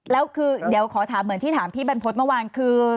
แล้วคือเดี๋ยวขอถามเหมือนที่ถามพี่บรรพฤษเมื่อวานคือ